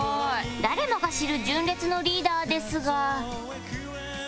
誰もが知る純烈のリーダーですが